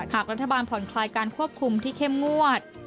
หากรัฐบาลผ่อนคลายการควบคุมที่เข้มงวด